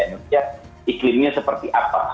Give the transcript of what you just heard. indonesia iklimnya seperti apa